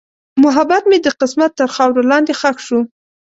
محبت مې د قسمت تر خاورو لاندې ښخ شو.